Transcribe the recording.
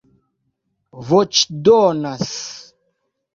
voĉdonas